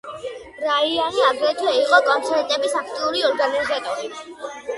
ბრაიანი აგრეთვე იყო კონცერტების აქტიური ორგანიზატორი.